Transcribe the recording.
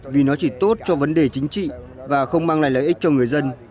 vì nó chỉ tốt cho vấn đề chính trị và không mang lại lợi ích cho người dân